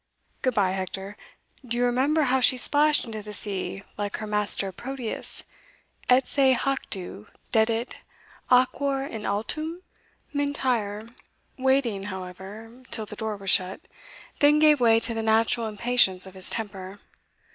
Good bye, Hector Do you remember how she splashed into the sea like her master Proteus, et se jactu dedit aequor in altum?" M'Intyre, waiting, however, till the door was shut, then gave way to the natural impatience of his temper.